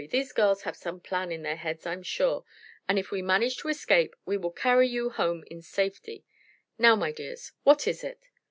These girls have some plan in their heads, I'm sure, and if we manage to escape we will carry you home in safety. Now, my dears, what is it?"